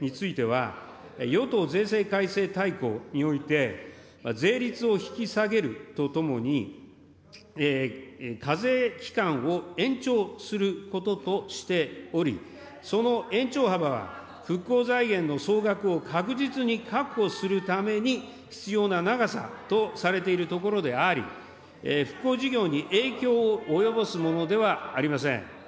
そして復興特別所得税については、与党税制改正大綱において、税率を引き下げるとともに、課税期間を延長することとしており、その延長幅は、復興財源の総額を確実に確保するために必要な長さとされているところであり、復興事業に影響を及ぼすものではありません。